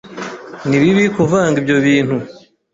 Ni bibi kuvanga ibyo bintu.